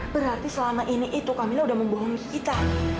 berarti selama ini itu kamila sudah membohongi kita